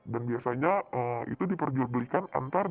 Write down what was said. dan biasanya itu diperjualbelikan antara